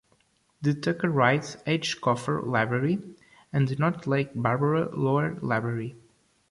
The Tucker-Reid H. Cofer Library, and the Northlake-Barbara Loar Library.